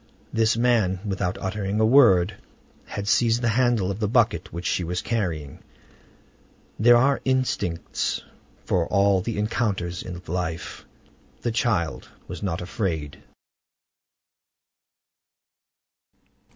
This man, without uttering a word, had seized the handle of the bucket which she was carrying. There are instincts for all the encounters of life. The child was not afraid.